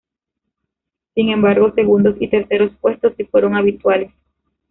Sin embargo, segundos y terceros puestos sí fueron habituales.